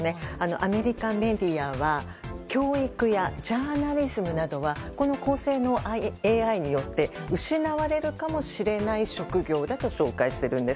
アメリカメディアは教育やジャーナリズムなどはこの高性能ＡＩによって失われるかもしれない職業だと紹介しているんです。